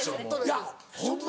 いやホンマ